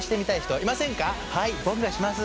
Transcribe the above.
はい僕がします。